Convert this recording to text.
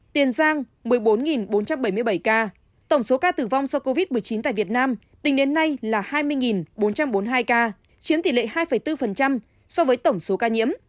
tổng số ca tử vong do covid một mươi chín tại việt nam tính đến nay là hai mươi bốn trăm bốn mươi hai ca chiếm tỷ lệ hai bốn so với tổng số ca nhiễm